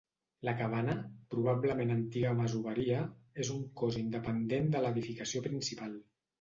La cabana, probablement antiga masoveria, és un cos independent de l'edificació principal.